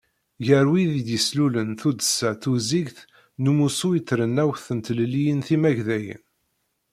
Gar wid i d-yeslulen Tuddsa Tuzzigt n Umussu i Trennawt n Tlelliyin Timagdayin.